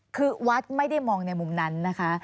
คือวัดไม่ได้มองในมุมนั้นนะคะ